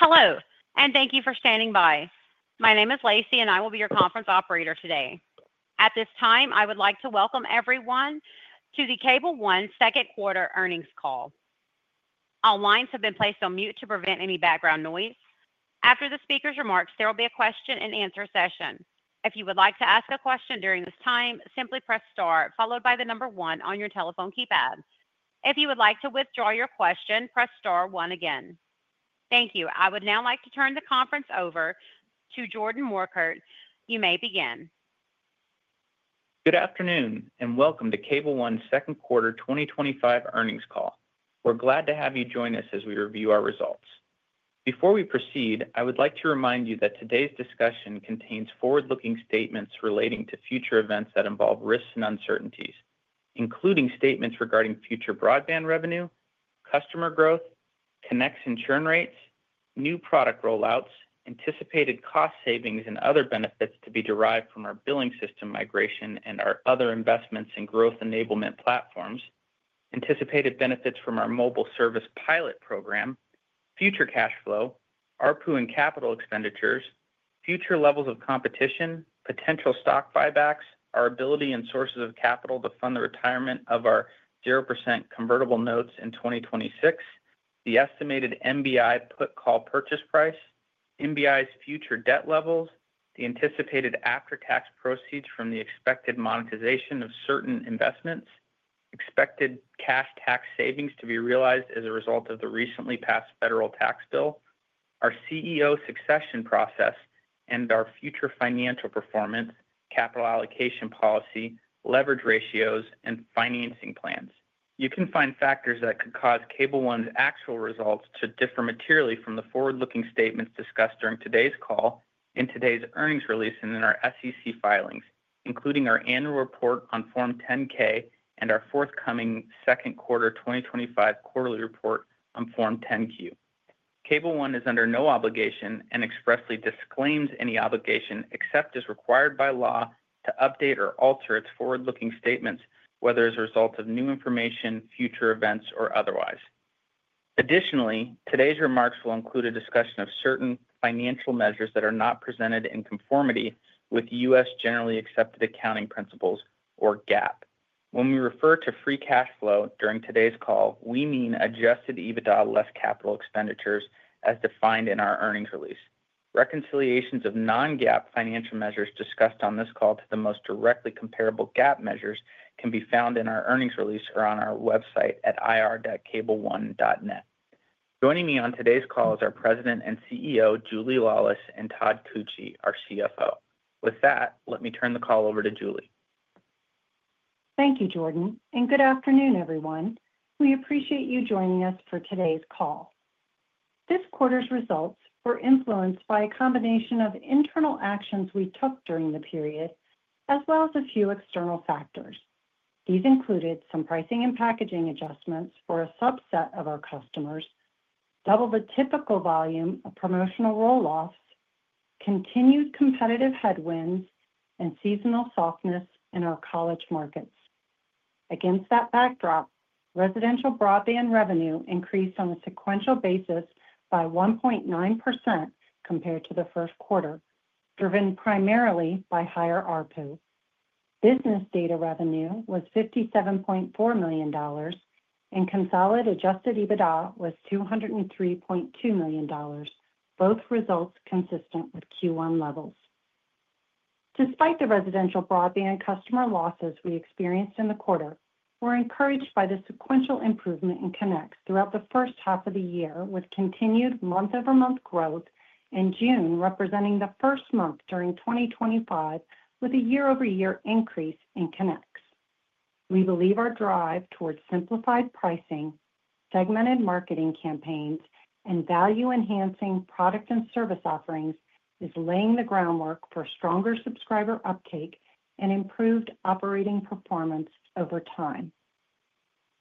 Hello, and thank you for standing by. My name is Lacey, and I will be your conference operator today. At this time, I would like to welcome everyone to the Cable One Second Quarter Earnings Call. All lines have been placed on mute to prevent any background noise. After the speaker's remarks, there will be a question and answer session. If you would like to ask a question during this time, simply press star, followed by the number one on your telephone keypad. If you would like to withdraw your question, press star one again. Thank you. I would now like to turn the conference over to Jordan Morkert. You may begin. Good afternoon, and welcome to Cable One's Second Quarter 2025 Earnings Call. We're glad to have you join us as we review our results. Before we proceed, I would like to remind you that today's discussion contains forward-looking statements relating to future events that involve risks and uncertainties, including statements regarding future broadband revenue, customer growth, connection churn rates, new product rollouts, anticipated cost savings, and other benefits to be derived from our billing system migration and our other investments in growth enablement platforms, anticipated benefits from our mobile service pilot program, future cash flow, ARPU and capital expenditures, future levels of competition, potential stock buybacks, our ability and sources of capital to fund the retirement of our 0% convertible notes in 2026, the estimated MBI put call purchase price, MBI's future debt levels, the anticipated after-tax proceeds from the expected monetization of certain investments, expected cash tax savings to be realized as a result of the recently passed federal tax bill, our CEO succession process, and our future financial performance, capital allocation policy, leverage ratios, and financing plans. You can find factors that could cause Cable One's actual results to differ materially from the forward-looking statements discussed during today's call, in today's earnings release, and in our SEC filings, including our annual report on Form 10-K and our forthcoming second quarter 2025 quarterly report on Form 10-Q. Cable One is under no obligation and expressly disclaims any obligation except as required by law to update or alter its forward-looking statements, whether as a result of new information, future events, or otherwise. Additionally, today's remarks will include a discussion of certain financial measures that are not presented in conformity with U.S. generally accepted accounting principles, or GAAP. When we refer to free cash flow during today's call, we mean adjusted EBITDA less capital expenditures as defined in our earnings release. Reconciliations of non-GAAP financial measures discussed on this call to the most directly comparable GAAP measures can be found in our earnings release or on our website at ir.cableone.net. Joining me on today's call is our President and CEO, Julie Laulis, and Todd Koetje, our CFO. With that, let me turn the call over to Julie. Thank you, Jordan, and good afternoon, everyone. We appreciate you joining us for today's call. This quarter's results were influenced by a combination of internal actions we took during the period, as well as a few external factors. These included some pricing and packaging adjustments for a subset of our customers, double the typical volume of promotional rollouts, continued competitive headwinds, and seasonal softness in our college markets. Against that backdrop, residential broadband revenue increased on a sequential basis by 1.9% compared to the first quarter, driven primarily by higher ARPU. Business data revenue was $57.4 million, and consolidated adjusted EBITDA was $203.2 million, both results consistent with Q1 levels. Despite the residential broadband customer losses we experienced in the quarter, we're encouraged by the sequential improvement in connects throughout the first half of the year, with continued month-over-month growth, and June representing the first month during 2025 with a year-over-year increase in connects. We believe our drive towards simplified pricing, segmented marketing campaigns, and value-enhancing product and service offerings is laying the groundwork for stronger subscriber uptake and improved operating performance over time.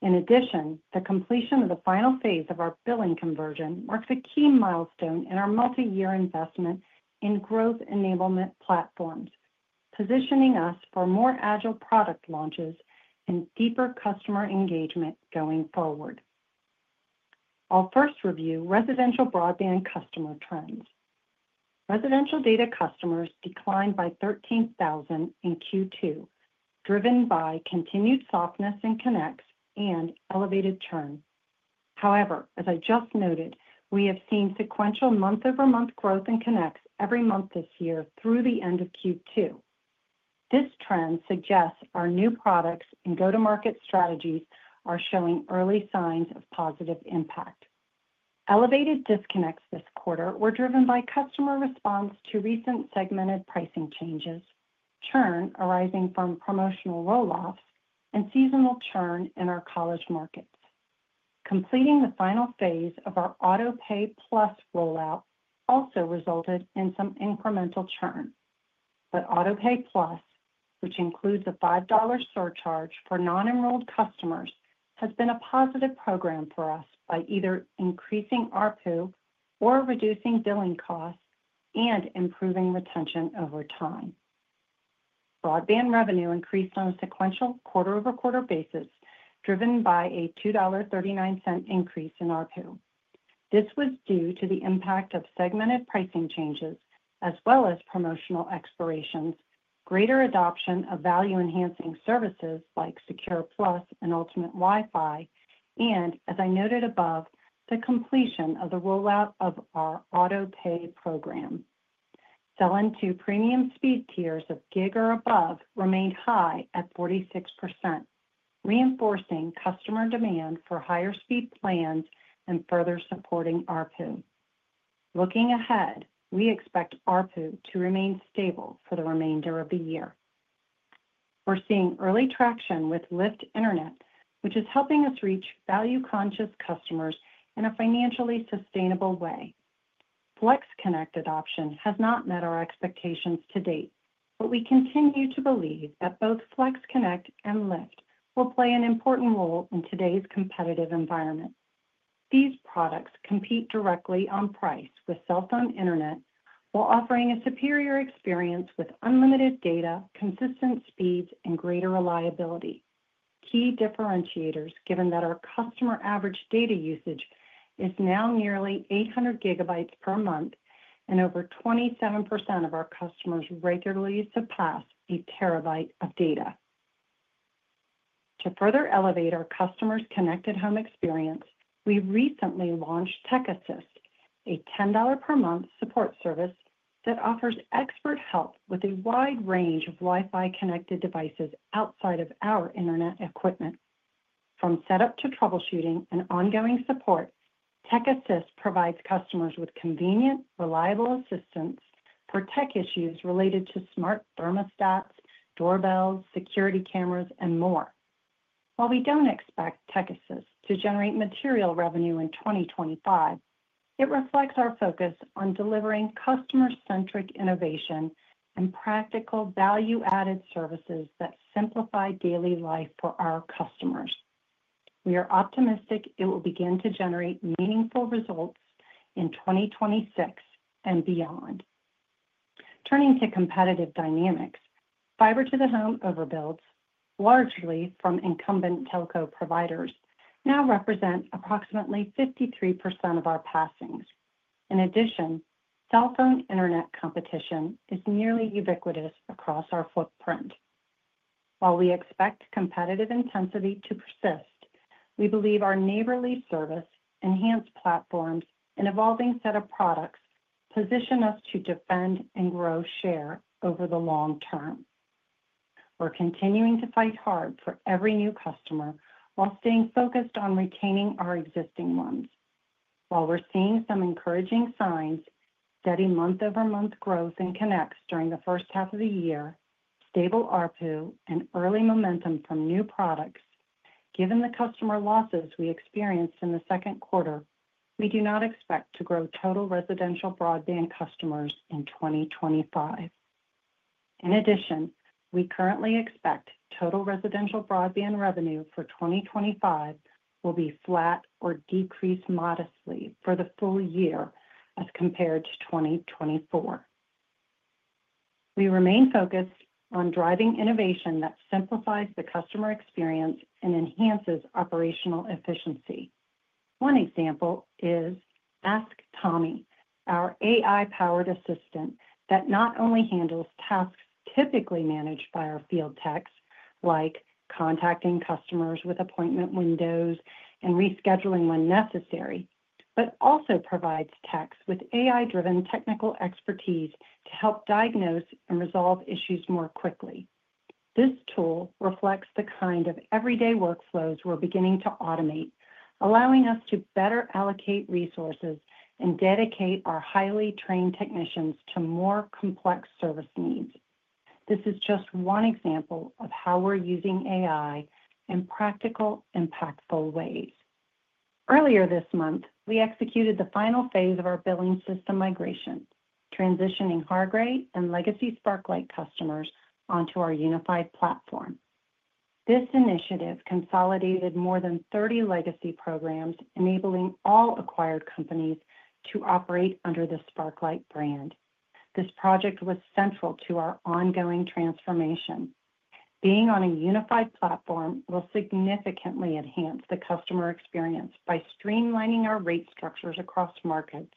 In addition, the completion of the final phase of our billing conversion marks a key milestone in our multi-year investment in growth enablement platforms, positioning us for more agile product launches and deeper customer engagement going forward. I'll first review residential broadband customer trends. Residential data customers declined by 13,000 in Q2, driven by continued softness in connects and elevated churn. However, as I just noted, we have seen sequential month-over-month growth in connects every month this year through the end of Q2. This trend suggests our new products and go-to-market strategies are showing early signs of positive impact. Elevated disconnects this quarter were driven by customer response to recent segmented pricing changes, churn arising from promotional rollouts, and seasonal churn in our college markets. Completing the final phase of our AutoPayPlus rollout also resulted in some incremental churn, but AutoPayPlus, which includes a $5 surcharge for non-enrolled customers, has been a positive program for us by either increasing ARPU or reducing billing costs and improving retention over time. Broadband revenue increased on a sequential quarter-over-quarter basis, driven by a $2.39 increase in ARPU. This was due to the impact of segmented pricing changes, as well as promotional expirations, greater adoption of value-enhancing services like SecurePlus and Ultimate Wi-Fi, and, as I noted above, the completion of the rollout of our AutoPay program. Selling to premium speed tiers of gig or above remained high at 46%, reinforcing customer demand for higher speed plans and further supporting ARPU. Looking ahead, we expect ARPU to remain stable for the remainder of the year. We're seeing early traction with Lyft Internet, which is helping us reach value-conscious customers in a financially sustainable way. FlexConnect adoption has not met our expectations to date, but we continue to believe that both FlexConnect and Lyft will play an important role in today's competitive environment. These products compete directly on price with cell phone internet, while offering a superior experience with unlimited data, consistent speeds, and greater reliability. Key differentiators, given that our customer average data usage is now nearly 800 GB per month, and over 27% of our customers regularly surpass a terabyte of data. To further elevate our customers' connected home experience, we recently launched TechAssist, a $10 per month support service that offers expert help with a wide range of Wi-Fi connected devices outside of our internet equipment. From setup to troubleshooting and ongoing support, TechAssist provides customers with convenient, reliable assistance for tech issues related to smart thermostats, doorbells, security cameras, and more. While we don't expect TechAssist to generate material revenue in 2025, it reflects our focus on delivering customer-centric innovation and practical value-added services that simplify daily life for our customers. We are optimistic it will begin to generate meaningful results in 2026 and beyond. Turning to competitive dynamics. Fiber-to-the-home overbuilds, largely from incumbent telco providers, now represent approximately 53% of our passings. In addition, cell phone internet competition is nearly ubiquitous across our footprint. While we expect competitive intensity to persist, we believe our neighborly service, enhanced platforms, and evolving set of products position us to defend and grow share over the long term. We're continuing to fight hard for every new customer while staying focused on retaining our existing ones. While we're seeing some encouraging signs, steady month-over-month growth in connects during the first half of the year, stable ARPU, and early momentum from new products, given the customer losses we experienced in the second quarter, we do not expect to grow total residential broadband customers in 2025. In addition, we currently expect total residential broadband revenue for 2025 will be flat or decrease modestly for the full year as compared to 2024. We remain focused on driving innovation that simplifies the customer experience and enhances operational efficiency. One example is Ask Tommy, our AI-powered assistant that not only handles tasks typically managed by our field techs, like contacting customers with appointment windows and rescheduling when necessary, but also provides techs with AI-driven technical expertise to help diagnose and resolve issues more quickly. This tool reflects the kind of everyday workflows we're beginning to automate, allowing us to better allocate resources and dedicate our highly trained technicians to more complex service needs. This is just one example of how we're using AI in practical, impactful ways. Earlier this month, we executed the final phase of our billing system migration, transitioning Hargay and legacy Sparklight customers onto our unified platform. This initiative consolidated more than 30 legacy programs, enabling all acquired companies to operate under the Sparklight brand. This project was central to our ongoing transformation. Being on a unified platform will significantly enhance the customer experience by streamlining our rate structures across markets,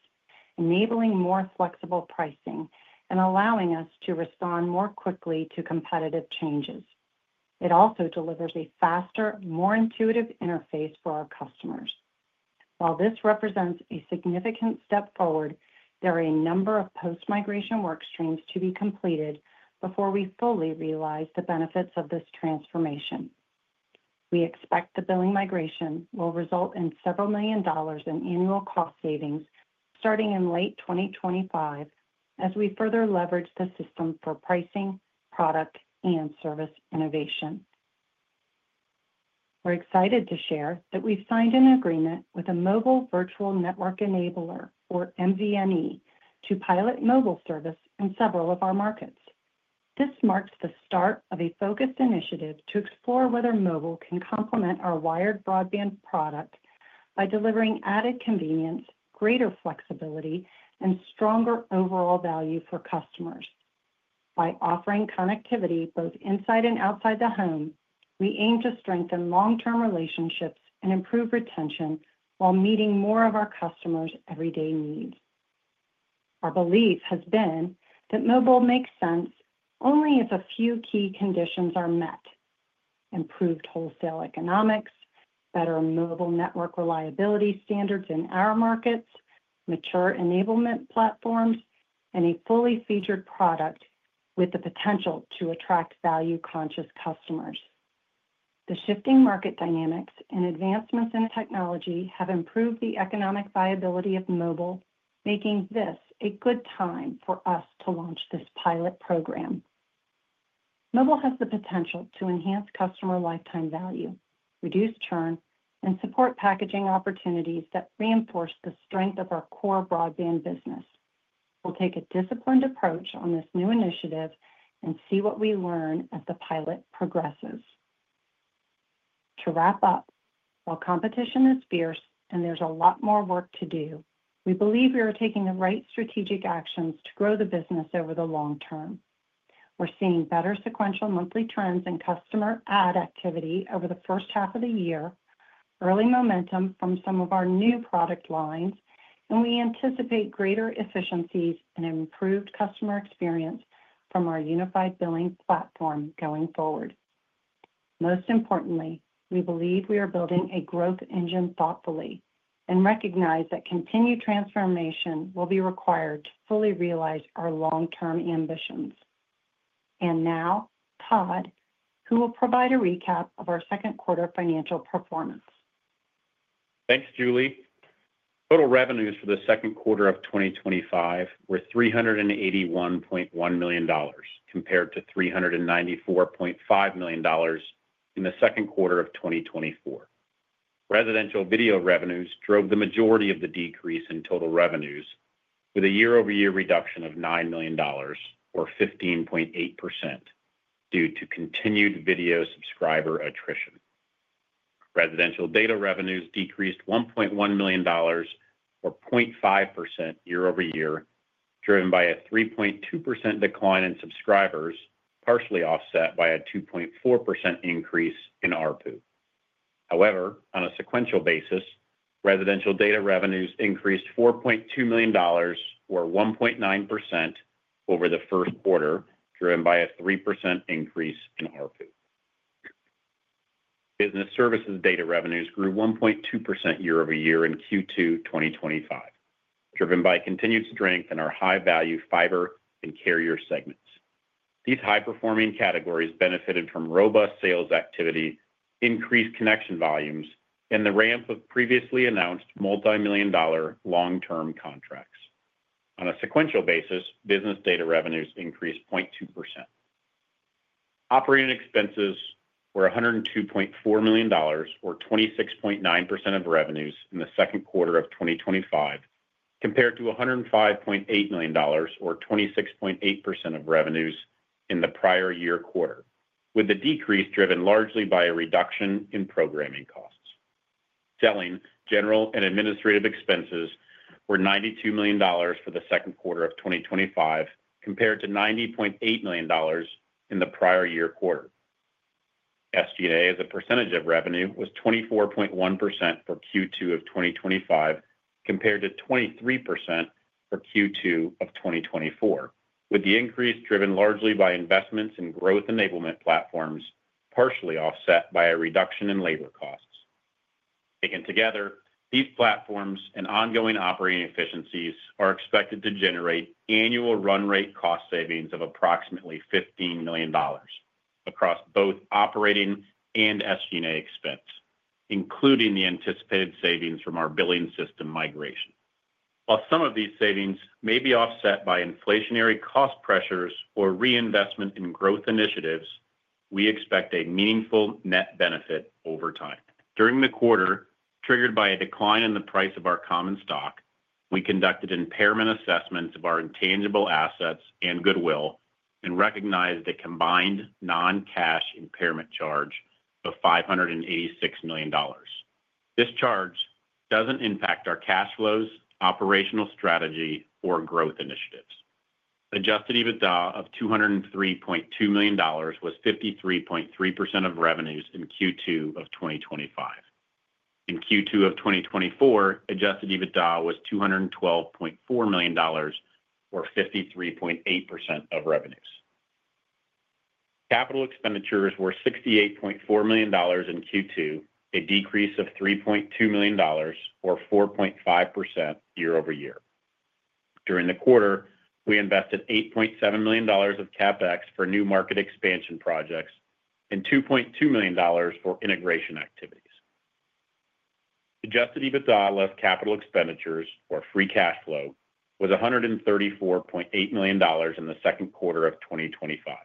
enabling more flexible pricing, and allowing us to respond more quickly to competitive changes. It also delivers a faster, more intuitive interface for our customers. While this represents a significant step forward, there are a number of post-migration workstreams to be completed before we fully realize the benefits of this transformation. We expect the billing migration will result in several million dollars in annual cost savings starting in late 2025, as we further leverage the system for pricing, product, and service innovation. We're excited to share that we've signed an agreement with a mobile virtual network enabler, or MVNE, to pilot mobile service in several of our markets. This marks the start of a focused initiative to explore whether mobile can complement our wired broadband product by delivering added convenience, greater flexibility, and stronger overall value for customers. By offering connectivity both inside and outside the home, we aim to strengthen long-term relationships and improve retention while meeting more of our customers' everyday needs. Our belief has been that mobile makes sense only if a few key conditions are met: improved wholesale economics, better mobile network reliability standards in our markets, mature enablement platforms, and a fully featured product with the potential to attract value-conscious customers. The shifting market dynamics and advancements in technology have improved the economic viability of mobile, making this a good time for us to launch this pilot program. Mobile has the potential to enhance customer lifetime value, reduce churn, and support packaging opportunities that reinforce the strength of our core broadband business. We will take a disciplined approach on this new initiative and see what we learn as the pilot progresses. To wrap up, while competition is fierce and there is a lot more work to do, we believe we are taking the right strategic actions to grow the business over the long term. We are seeing better sequential monthly trends in customer ad activity over the first half of the year, early momentum from some of our new product lines, and we anticipate greater efficiencies and an improved customer experience from our unified billing platform going forward. Most importantly, we believe we are building a growth engine thoughtfully and recognize that continued transformation will be required to fully realize our long-term ambitions. Now, Todd, who will provide a recap of our second quarter financial performance? Thanks, Julie. Total revenues for the second quarter of 2025 were $381.1 million compared to $394.5 million in the second quarter of 2024. Residential video revenues drove the majority of the decrease in total revenues, with a year-over-year reduction of $9 million, or 15.8%, due to continued video subscriber attrition. Residential data revenues decreased $1.1 million, or 0.5% year-over-year, driven by a 3.2% decline in subscribers, partially offset by a 2.4% increase in ARPU. However, on a sequential basis, residential data revenues increased $4.2 million, or 1.9%, over the first quarter, driven by a 3% increase in ARPU. Business services data revenues grew 1.2% year-over-year in Q2 2025, driven by continued strength in our high-value fiber and carrier segments. These high-performing categories benefited from robust sales activity, increased connection volumes, and the ramp of previously announced multimillion-dollar long-term contracts. On a sequential basis, business data revenues increased 0.2%. Operating expenses were $102.4 million, or 26.9% of revenues in the second quarter of 2025, compared to $105.8 million, or 26.8% of revenues in the prior year quarter, with the decrease driven largely by a reduction in programming costs. Selling, general and administrative expenses were $92 million for the second quarter of 2025, compared to $90.8 million in the prior year quarter. SG&A, as a percentage of revenue, was 24.1% for Q2 of 2025, compared to 23% for Q2 of 2024, with the increase driven largely by investments in growth enablement platforms, partially offset by a reduction in labor costs. Taken together, these platforms and ongoing operating efficiencies are expected to generate annual run rate cost savings of approximately $15 million across both operating and SG&A expense, including the anticipated savings from our billing system migration. While some of these savings may be offset by inflationary cost pressures or reinvestment in growth initiatives, we expect a meaningful net benefit over time. During the quarter, triggered by a decline in the price of our common stock, we conducted impairment assessments of our intangible assets and goodwill and recognized a combined non-cash impairment charge of $586 million. This charge doesn't impact our cash flows, operational strategy, or growth initiatives. Adjusted EBITDA of $203.2 million was 53.3% of revenues in Q2 of 2025. In Q2 of 2024, adjusted EBITDA was $212.4 million, or 53.8% of revenues. Capital expenditures were $68.4 million in Q2, a decrease of $3.2 million, or 4.5% year-over-year. During the quarter, we invested $8.7 million of CapEx for new market expansion projects and $2.2 million for integration activities. Adjusted EBITDA less capital expenditures, or free cash flow, was $134.8 million in the second quarter of 2025,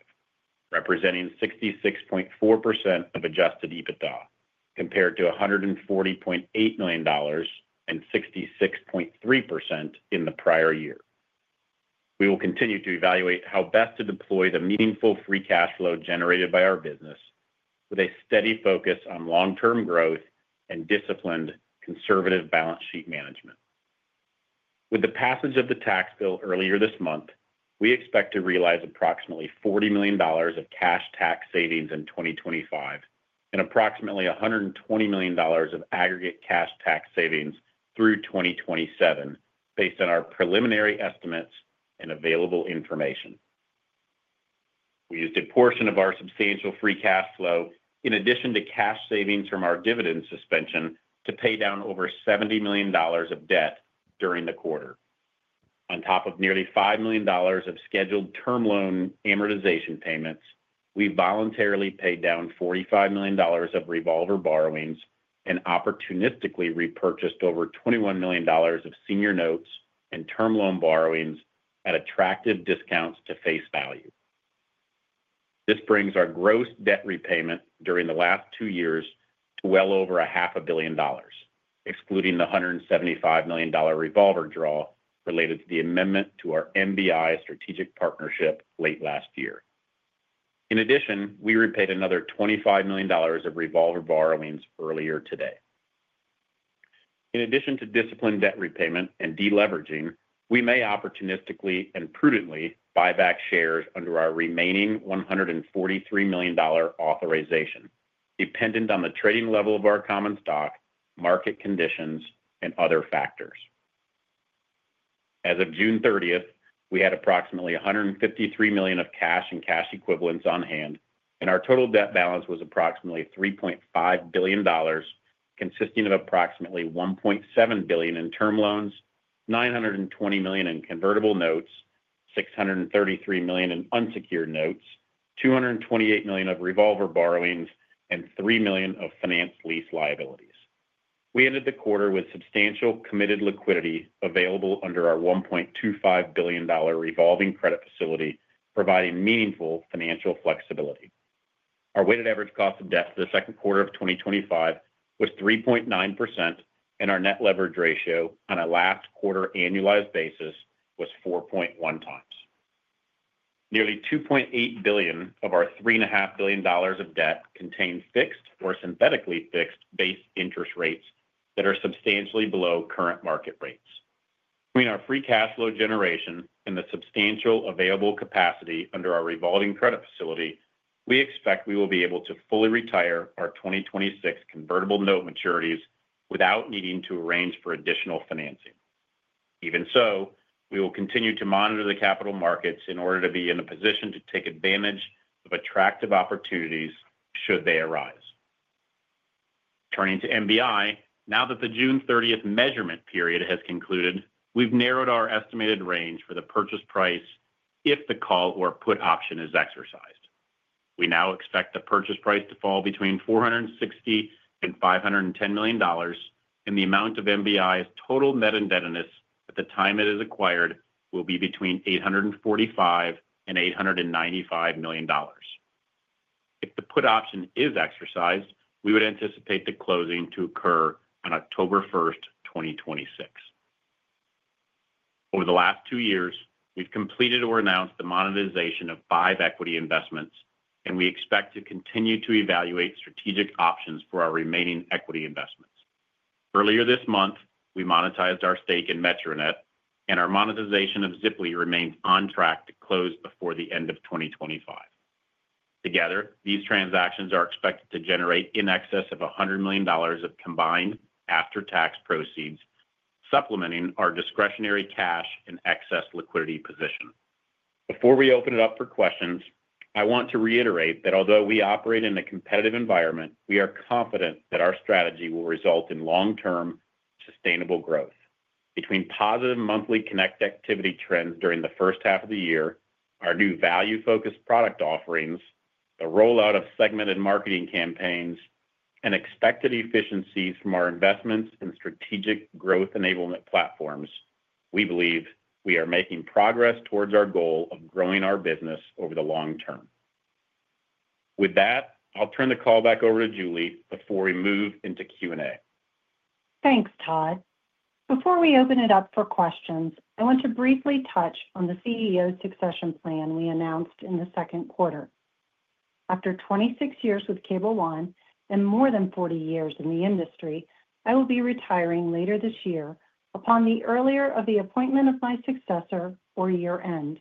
representing 66.4% of adjusted EBITDA compared to $140.8 million and 66.3% in the prior year. We will continue to evaluate how best to deploy the meaningful free cash flow generated by our business, with a steady focus on long-term growth and disciplined, conservative balance sheet management. With the passage of the tax bill earlier this month, we expect to realize approximately $40 million of cash tax savings in 2025 and approximately $120 million of aggregate cash tax savings through 2027, based on our preliminary estimates and available information. We used a portion of our substantial free cash flow, in addition to cash savings from our dividend suspension, to pay down over $70 million of debt during the quarter. On top of nearly $5 million of scheduled term loan amortization payments, we voluntarily paid down $45 million of revolver borrowings and opportunistically repurchased over $21 million of senior notes and term loan borrowings at attractive discounts to face value. This brings our gross debt repayment during the last two years to well over a half a billion dollars, excluding the $175 million revolver draw related to the amendment to our MBI strategic partnership late last year. In addition, we repaid another $25 million of revolver borrowings earlier today. In addition to disciplined debt repayment and deleveraging, we may opportunistically and prudently buy back shares under our remaining $143 million authorization, dependent on the trading level of our common stock, market conditions, and other factors. As of June 30th, we had approximately $153 million of cash and cash equivalents on hand, and our total debt balance was approximately $3.5 billion, consisting of approximately $1.7 billion in term loans, $920 million in convertible notes, $633 million in unsecured notes, $228 million of revolver borrowings, and $3 million of financed lease liabilities. We ended the quarter with substantial committed liquidity available under our $1.25 billion revolving credit facility, providing meaningful financial flexibility. Our weighted average cost of debt for the second quarter of 2025 was 3.9%, and our net leverage ratio on a last quarter annualized basis was 4.1x. Nearly $2.8 billion of our $3.5 billion of debt contain fixed or synthetically fixed base interest rates that are substantially below current market rates. Between our free cash flow generation and the substantial available capacity under our revolving credit facility, we expect we will be able to fully retire our 2026 convertible note maturities without needing to arrange for additional financing. Even so, we will continue to monitor the capital markets in order to be in a position to take advantage of attractive opportunities should they arise. Turning to MBI, now that the June 30th measurement period has concluded, we've narrowed our estimated range for the purchase price if the call or put option is exercised. We now expect the purchase price to fall between $460 million and $510 million, and the amount of MBI's total net indebtedness at the time it is acquired will be between $845 million and $895 million. If the put option is exercised, we would anticipate the closing to occur on October 1st, 2026. Over the last two years, we've completed or announced the monetization of five equity investments, and we expect to continue to evaluate strategic options for our remaining equity investments. Earlier this month, we monetized our stake in Metronet, and our monetization of Ziply remains on track to close before the end of 2025. Together, these transactions are expected to generate in excess of $100 million of combined after-tax proceeds, supplementing our discretionary cash and excess liquidity position. Before we open it up for questions, I want to reiterate that although we operate in a competitive environment, we are confident that our strategy will result in long-term sustainable growth. Between positive monthly connect activity trends during the first half of the year, our new value-focused product offerings, the rollout of segmented marketing campaigns, and expected efficiencies from our investments in strategic growth enablement platforms, we believe we are making progress towards our goal of growing our business over the long term. With that, I'll turn the call back over to Julie before we move into Q&A. Thanks, Todd. Before we open it up for questions, I want to briefly touch on the CEO succession plan we announced in the second quarter. After 26 years with Cable One and more than 40 years in the industry, I will be retiring later this year upon the earlier of the appointment of my successor or year end.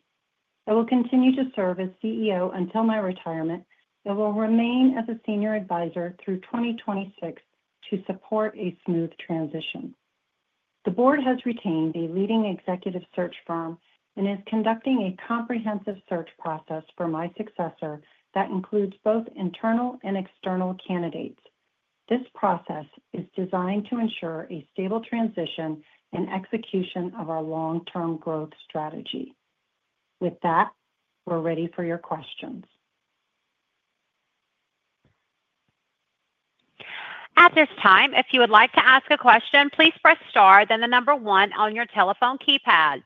I will continue to serve as CEO until my retirement and will remain as a senior advisor through 2026 to support a smooth transition. The board has retained a leading executive search firm and is conducting a comprehensive search process for my successor that includes both internal and external candidates. This process is designed to ensure a stable transition and execution of our long-term growth strategy. With that, we're ready for your questions. At this time, if you would like to ask a question, please press star, then the number one on your telephone keypad.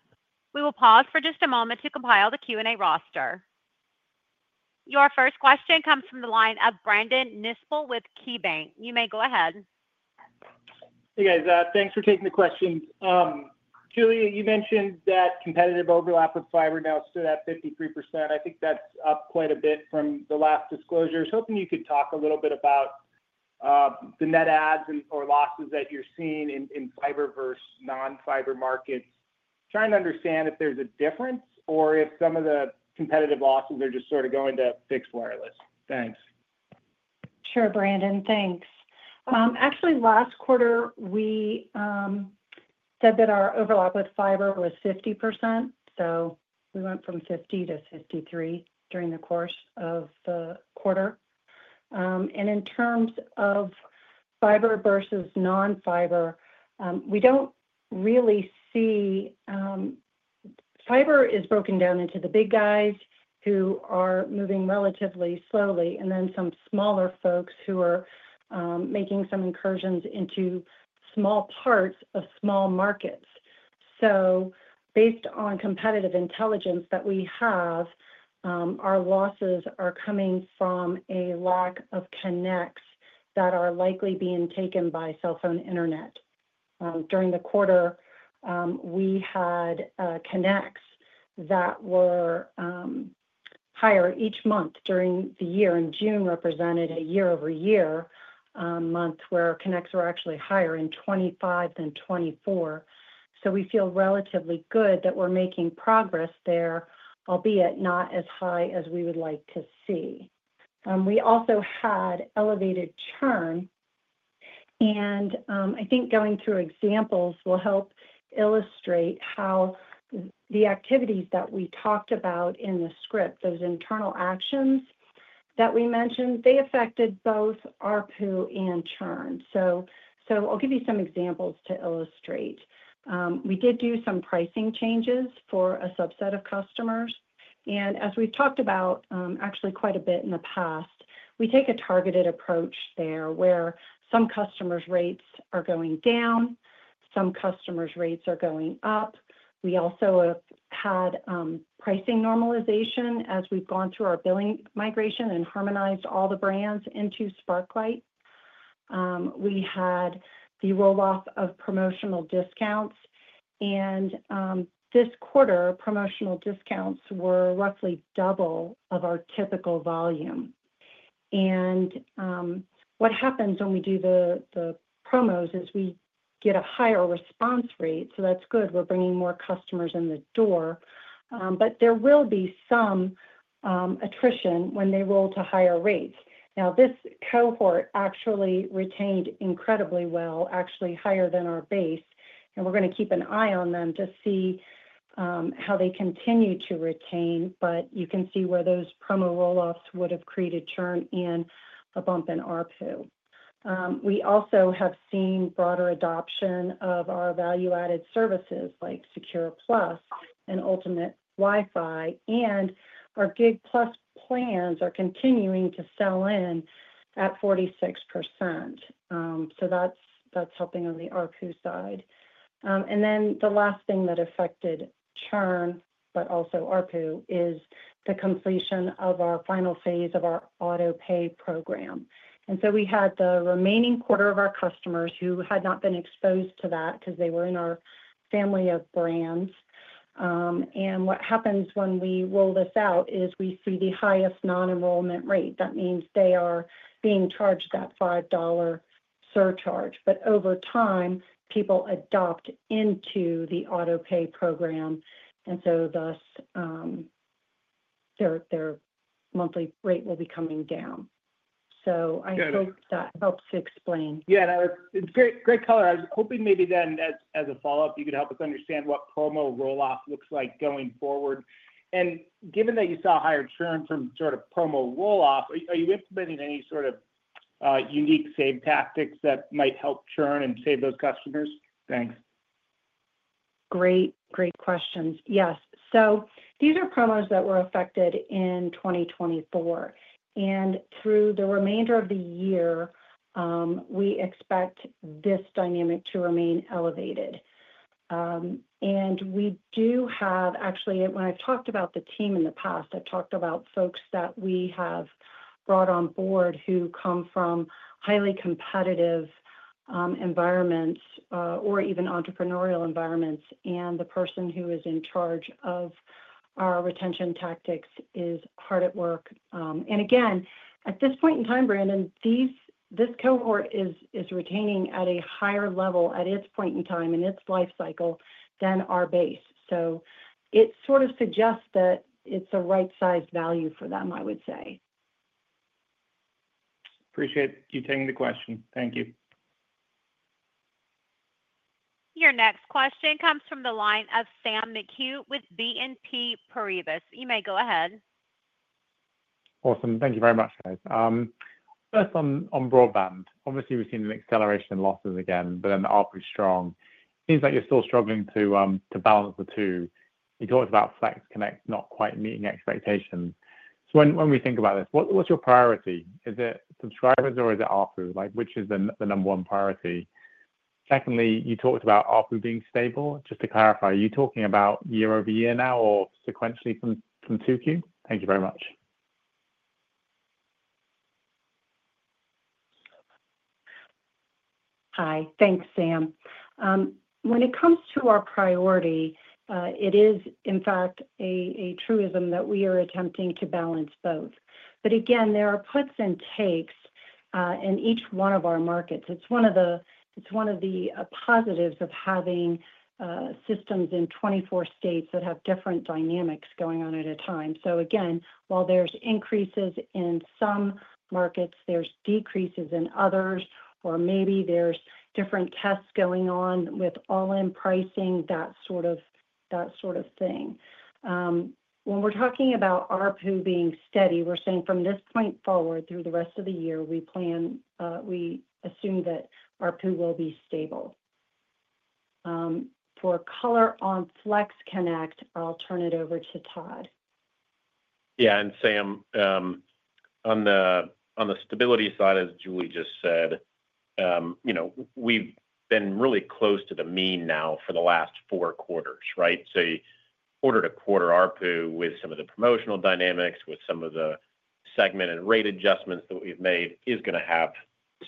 We will pause for just a moment to compile the Q&A roster. Your first question comes from the line of Brandon Nisple with KeyBank. You may go ahead. Hey, guys. Thanks for taking the question. Julie, you mentioned that competitive overlap with fiber now stood at 53%. I think that's up quite a bit from the last disclosures. Hoping you could talk a little bit about the net adds or losses that you're seeing in fiber versus non-fiber markets. Trying to understand if there's a difference or if some of the competitive losses are just sort of going to fixed wireless. Thanks. Sure, Brandon. Thanks. Actually, last quarter, we said that our overlap with fiber was 50%. We went from 50% to 53% during the course of the quarter. In terms of fiber versus non-fiber, we don't really see, fiber is broken down into the big guys who are moving relatively slowly and then some smaller folks who are making some incursions into small parts of small markets. Based on competitive intelligence that we have, our losses are coming from a lack of connects that are likely being taken by cell phone internet. During the quarter, we had connects that were higher each month during the year, and June represented a year-over-year month where connects were actually higher in 2025 than 2024. We feel relatively good that we're making progress there, albeit not as high as we would like to see. We also had elevated churn, and I think going through examples will help illustrate how the activities that we talked about in the script, those internal actions that we mentioned, affected both ARPU and churn. I'll give you some examples to illustrate. We did do some pricing changes for a subset of customers. As we've talked about quite a bit in the past, we take a targeted approach there where some customers' rates are going down, some customers' rates are going up. We also had pricing normalization as we've gone through our billing system migration and harmonized all the brands into Sparklight. We had the rollout of promotional discounts. This quarter, promotional discounts were roughly double our typical volume. What happens when we do the promos is we get a higher response rate. That's good. We're bringing more customers in the door. There will be some attrition when they roll to higher rates. This cohort actually retained incredibly well, actually higher than our base. We're going to keep an eye on them to see how they continue to retain. You can see where those promo rollouts would have created churn and a bump in ARPU. We also have seen broader adoption of our value-added services like SecurePlus and Ultimate Wi-Fi, and our Gig Plus plans are continuing to sell in at 46%. That's helping on the ARPU side. The last thing that affected churn, but also ARPU, is the completion of our final phase of our AutoPay program. We had the remaining 1/4 of our customers who had not been exposed to that because they were in our family of brands. What happens when we roll this out is we see the highest non-enrollment rate. That means they are being charged that $5 surcharge. Over time, people adopt into the AutoPay program, and thus their monthly rate will be coming down. I hope that helps to explain. Yeah, it's great color. I was hoping maybe as a follow-up, you could help us understand what promo rollout looks like going forward. Given that you saw a higher churn from sort of promo rollout, are you anticipating any sort of unique save tactics that might help churn and save those customers? Thanks. Great, great questions. Yes, these are promos that were affected in 2024. Through the remainder of the year, we expect this dynamic to remain elevated. We do have, actually, when I've talked about the team in the past, I've talked about folks that we have brought on board who come from highly competitive environments or even entrepreneurial environments. The person who is in charge of our retention tactics is hard at work. At this point in time, Brandon, this cohort is retaining at a higher level at its point in time in its lifecycle than our base. It sort of suggests that it's a right-sized value for them, I would say. Appreciate you taking the question. Thank you. Your next question comes from the line of Sam McHugh with BNP Paribas. You may go ahead. Awesome. Thank you very much, guys. First on broadband. Obviously, we've seen an acceleration in losses again, but then ARPU is strong. It seems like you're still struggling to balance the two. You talked about FlexConnect not quite meeting expectations. When we think about this, what's your priority? Is it subscribers or is it ARPU? Which is the number one priority? Secondly, you talked about ARPU being stable. Just to clarify, are you talking about year-over-year now or sequentially from Q2? Thank you very much. Hi. Thanks, Sam. When it comes to our priority, it is, in fact, a truism that we are attempting to balance both. There are puts and takes in each one of our markets. It's one of the positives of having systems in 24 states that have different dynamics going on at a time. While there's increases in some markets, there's decreases in others, or maybe there's different tests going on with all-in pricing, that sort of thing. When we're talking about ARPU being steady, we're saying from this point forward through the rest of the year, we assume that ARPU will be stable. For color on FlexConnect, I'll turn it over to Todd. Yeah, and Sam, on the stability side, as Julie just said, you know we've been really close to the mean now for the last four quarters, right? Quarter-to-quarter, ARPU with some of the promotional dynamics, with some of the segmented rate adjustments that we've made, is going to have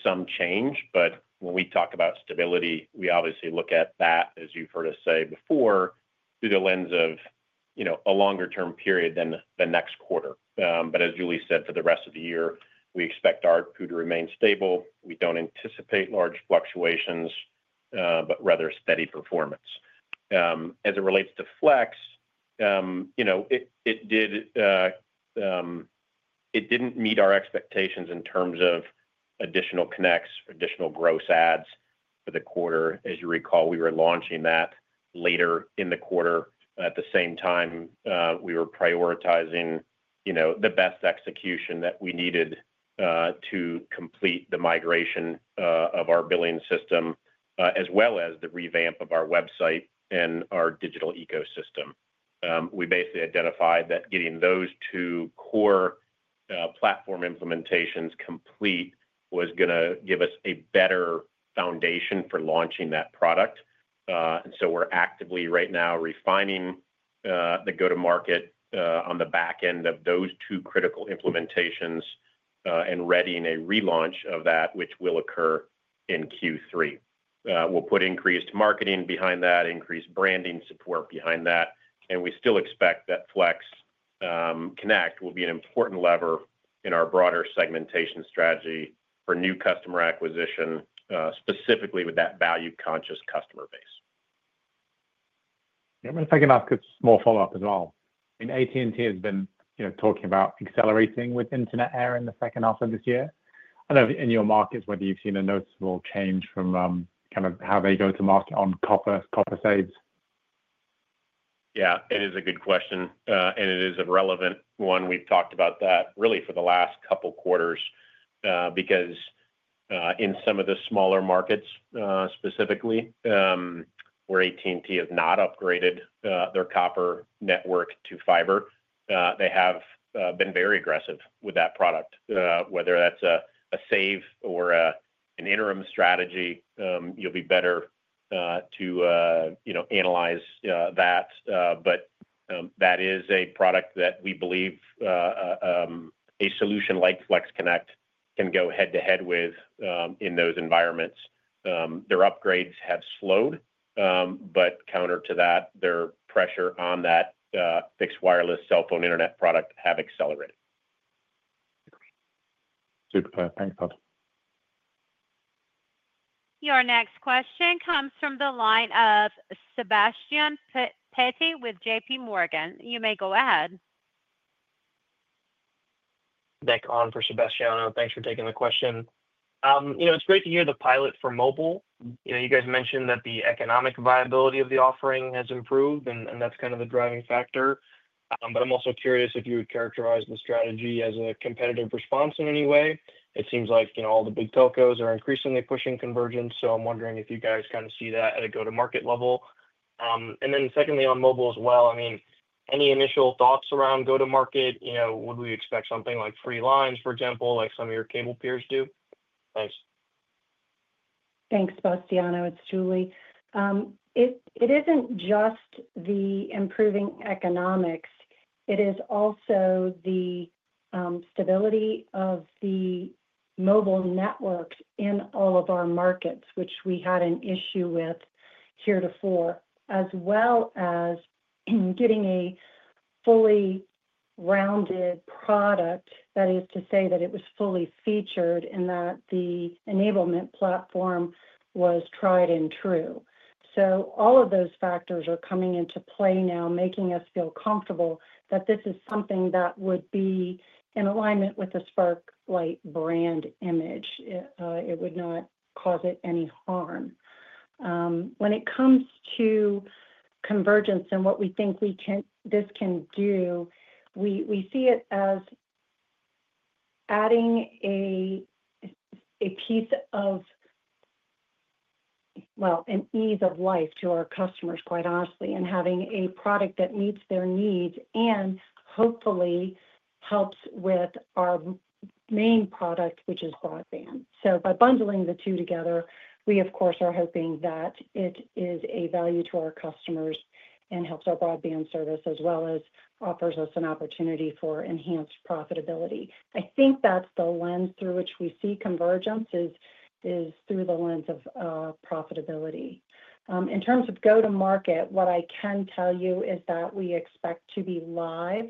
some change. When we talk about stability, we obviously look at that, as you've heard us say before, through the lens of a longer-term period than the next quarter. As Julie said, for the rest of the year, we expect ARPU to remain stable. We don't anticipate large fluctuations, but rather steady performance. As it relates to Flex, it didn't meet our expectations in terms of additional connects, additional gross ads for the quarter. As you recall, we were launching that later in the quarter. At the same time, we were prioritizing the best execution that we needed to complete the migration of our billing system, as well as the revamp of our website and our digital ecosystem. We basically identified that getting those two core platform implementations complete was going to give us a better foundation for launching that product. We are actively right now refining the go-to-market on the back end of those two critical implementations and readying a relaunch of that, which will occur in Q3. We'll put increased marketing behind that, increased branding support behind that, and we still expect that FlexConnect will be an important lever in our broader segmentation strategy for new customer acquisition, specifically with that value-conscious customer base. I mean, I'm going to take a small follow-up as well. AT&T has been talking about accelerating with Internet Air in the second half of this year. I don't know in your markets whether you've seen a noticeable change from kind of how they go to market on copper saves. Yeah, it is a good question, and it is a relevant one. We've talked about that really for the last couple of quarters because in some of the smaller markets specifically, where AT&T has not upgraded their copper network to fiber, they have been very aggressive with that product. Whether that's a save or an interim strategy, you'll be better to analyze that. That is a product that we believe a solution like FlexConnect can go head-to-head with in those environments. Their upgrades have slowed, but counter to that, their pressure on that fixed wireless cell phone internet product has accelerated. Thanks, Todd. Your next question comes from the line of Sebastiano Petti with J.P. Morgan. You may go ahead. Nikhil on for Sebastiano. Thanks for taking the question. It's great to hear the pilot for mobile. You mentioned that the economic viability of the offering has improved, and that's kind of the driving factor. I'm also curious if you would characterize the strategy as a competitive response in any way. It seems like all the big telcos are increasingly pushing convergence, so I'm wondering if you see that at a go-to-market level. Secondly, on mobile as well, any initial thoughts around go-to-market? Would we expect something like free lines, for example, like some of your cable peers do? Thanks. Thanks, Sebastiano. It's Julie. It isn't just the improving economics. It is also the stability of the mobile networks in all of our markets, which we had an issue with here before, as well as getting a fully rounded product, that is to say that it was fully featured and that the enablement platform was tried and true. All of those factors are coming into play now, making us feel comfortable that this is something that would be in alignment with the Sparklight brand image. It would not cause it any harm. When it comes to convergence and what we think this can do, we see it as adding a piece of, an ease of life to our customers, quite honestly, and having a product that meets their needs and hopefully helps with our main product, which is broadband. By bundling the two together, we, of course, are hoping that it is a value to our customers and helps our broadband service, as well as offers us an opportunity for enhanced profitability. I think that's the lens through which we see convergence, through the lens of profitability. In terms of go-to-market, what I can tell you is that we expect to be live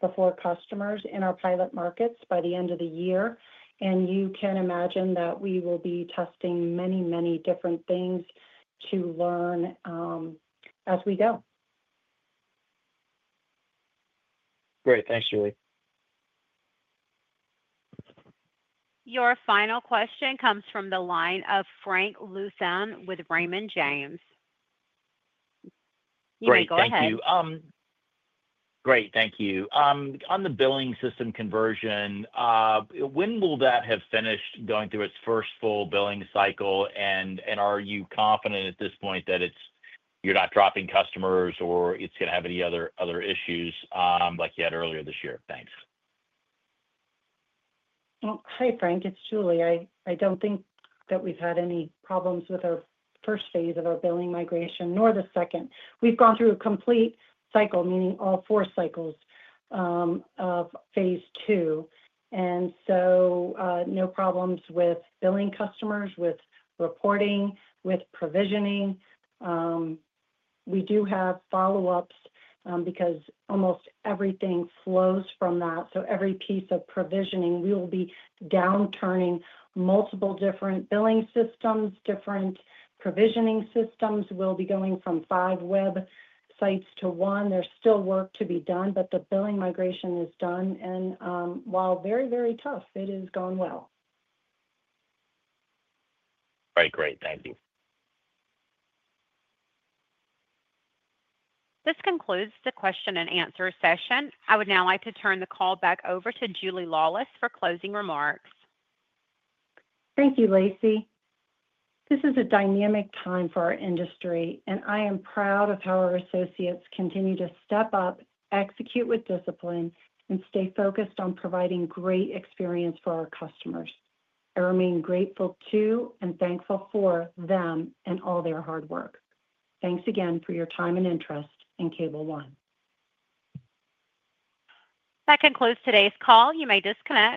before customers in our pilot markets by the end of the year. You can imagine that we will be testing many, many different things to learn as we go. Great. Thanks, Julie. Your final question comes from the line of Frank Louthan with Raymond James. You may go ahead. Great. Thank you. On the billing system migration, when will that have finished going through its first full billing cycle, and are you confident at this point that you're not dropping customers or it's going to have any other issues like you had earlier this year? Thanks. Hi, Frank. It's Julie. I don't think that we've had any problems with our first phase of our billing migration nor the second. We've gone through a complete cycle, meaning all four cycles of phase II. No problems with billing customers, with reporting, with provisioning. We do have follow-ups because almost everything flows from that. Every piece of provisioning, we will be downturning multiple different billing systems, different provisioning systems. We'll be going from five websites to one. There's still work to be done, but the billing migration is done. While very, very tough, it is going well. All right. Great. Thank you. This concludes the question and answer session. I would now like to turn the call back over to Julie Laulis for closing remarks. Thank you, Lacey. This is a dynamic time for our industry, and I am proud of how our associates continue to step up, execute with discipline, and stay focused on providing great experience for our customers. I remain grateful to and thankful for them and all their hard work. Thanks again for your time and interest in Cable One. That concludes today's call. You may disconnect.